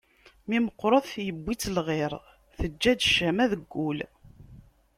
Mi meqqret yewwi-tt lɣir, teǧǧa-d ccama deg ul.